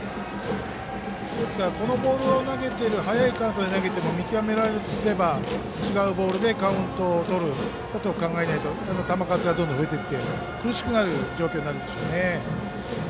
ですから早いカウントで投げても見極められているのとすれば違うボールでカウントをとることを考えないと球数がどんどん増えていって苦しくなる状況ですね。